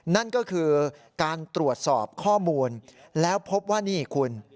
นั่นก็คือการตรวจสอบข้อมูลแล้วพบว่านี่คุณ